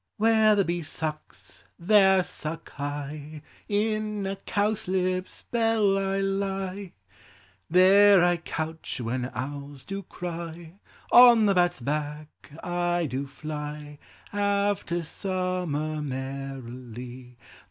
Where the bee sucks, there suck I : In a cowslip's bell I lie ; 58 POEMS OF FANCY. There I couch when owls do cry ; On the bat's back I do fly After summer merrily.